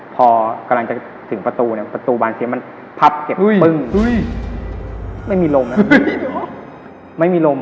พอกำลังจะถึงประตูประตูบานเสียงมันพับเก็บปึ้งไม่มีลม